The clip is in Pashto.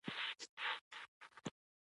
په سږني لوی تجارت کې به یا یار ته څو یا دار ته.